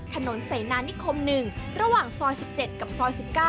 ถนนเสนานิคม๑ระหว่างซอย๑๗กับซอย๑๙